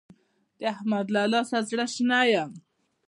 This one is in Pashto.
د احمد له لاسه زړه شنی يم.